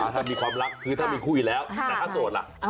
ถ้ามีความรักคือถ้ามีคู่อยู่แล้วแต่ถ้าโสดล่ะ